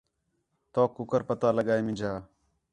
تؤک کُکر پتا لڳا ہے مینجا؟